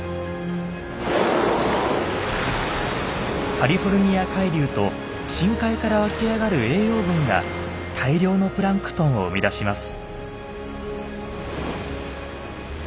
カリフォルニア海流と深海から湧き上がる栄養分が大量のプランクトンを生み出します。